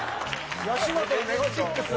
吉本のネゴシックス。